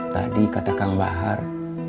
tadi kata kang bahar